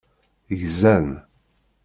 Gzan.